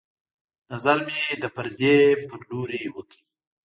نظر مې د پردې په لورې وکړ